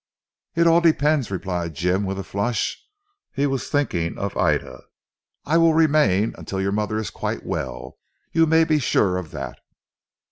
"It all depends," replied Jim with a flush. He was thinking of Ida. "I will remain until your mother is quite well. You may be sure of that."